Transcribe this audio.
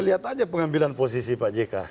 lihat aja pengambilan posisi pak jk